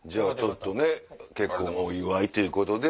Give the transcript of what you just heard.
結婚のお祝いということで。